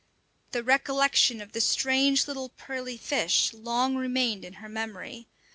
The recollection of the strange little pearly fish long remained in her memory.